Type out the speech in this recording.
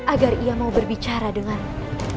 agar ia mau berbicara denganmu